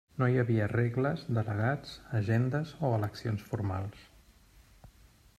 No hi havia regles, delegats, agendes o eleccions formals.